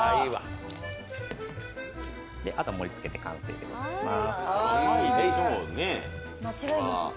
あと盛り付けて完成でございます。